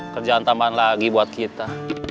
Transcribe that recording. kerjaan tambahan lagi buat kita